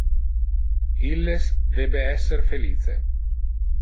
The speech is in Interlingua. Illes debe esser felice.